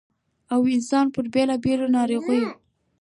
٫ او انسـان پـر بېـلابېـلو نـاروغـيو